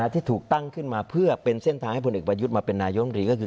ที่ถูกตั้งขึ้นมาเพื่อเป็นเส้นทางให้พลเอกประยุทธ์มาเป็นนายมรีก็คือ